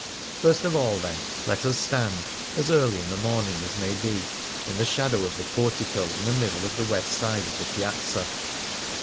First of all, then, let us stand, as early in the morning as may be, in the shadow of the portico in the middle of the west side of the Piazza.